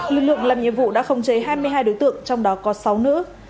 lực lượng làm nhiệm vụ đã khống chế hai mươi hai đối tượng trong đó có sáu nữ